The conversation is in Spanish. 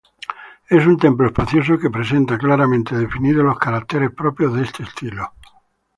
Es un templo espacioso que presenta claramente definidos los caracteres propios de este estilo.